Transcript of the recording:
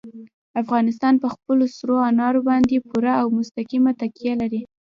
افغانستان په خپلو سرو انارو باندې پوره او مستقیمه تکیه لري.